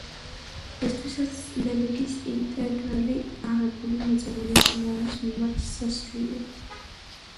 რისთვისაც ლებეგის ინტეგრალი, აღებული მოცემული სიმრავლის მიმართ, სასრულია.